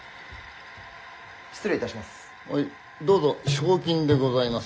失礼いたします。